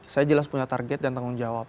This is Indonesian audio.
saya jelas punya target dan tanggung jawab